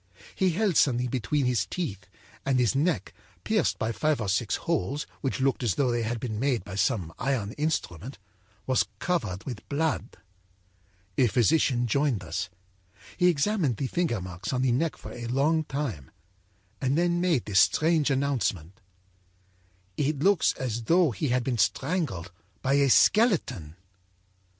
He held something between his teeth, and his neck, pierced by five or six holes which looked as though they had been made by some iron instrument, was covered with blood. âA physician joined us. He examined the finger marks on the neck for a long time and then made this strange announcement: â'It looks as though he had been strangled by a skeleton.'